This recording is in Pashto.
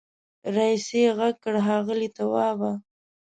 رئيسې غږ کړ ښاغلی توابه.